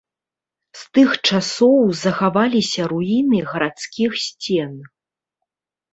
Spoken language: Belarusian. З тых часоў захаваліся руіны гарадскіх сцен.